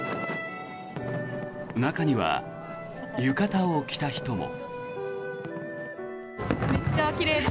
中には浴衣を着た人も。